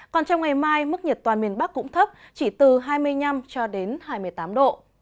còn trong ngày mai mức nhiệt toàn miền bắc cũng thấp chỉ từ hai mươi năm cho đến hai mươi tám độ